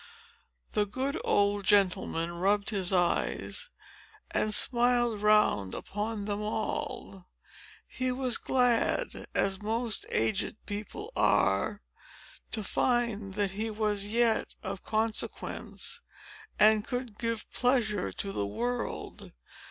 The good old gentleman rubbed his eyes, and smiled round upon them all. He was glad, as most aged people are, to find that he was yet of consequence, and could give pleasure to the world.